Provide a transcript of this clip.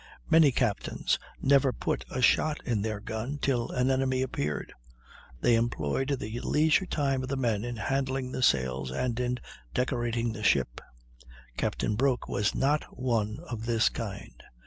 Many captains never put a shot in the guns till an enemy appeared; they employed the leisure time of the men in handling the sails and in decorating the ship. Captain Broke was not one of this kind.